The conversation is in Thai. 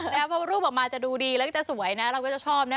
เพราะรูปออกมาจะดูดีแล้วก็จะสวยนะเราก็จะชอบนะ